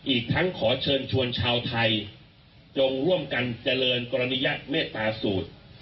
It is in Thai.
อีกทั้งขอเชิญชวนชาวไทยจงร่วมกันเจริญกรณิยะเมตตาสูตร